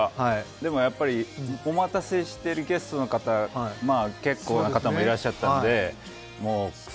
でもやっぱりお待たせしているゲストの方、結構な方もいらっしゃったのでく